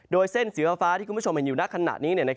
โดยเส้นสีฟ้าที่คุณผู้ชมเห็นอยู่ในขณะนี้